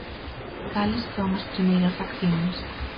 Cales son as primeiras accións?